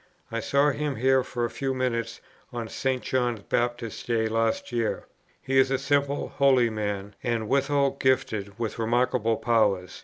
I saw him here for a few minutes on St. John Baptist's day last year. "He is a simple, holy man; and withal gifted with remarkable powers.